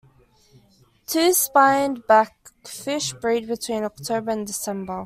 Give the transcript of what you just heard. Two-spined blackfish breed between October and December.